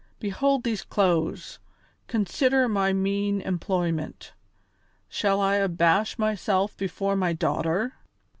Behold these clothes, consider my mean employment. Shall I abash myself before my daughter?"